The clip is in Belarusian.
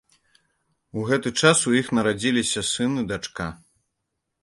У гэты час у іх нарадзіліся сын і дачка.